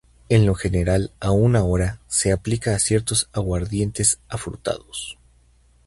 En lo general aun ahora, se aplica a ciertos aguardientes afrutados.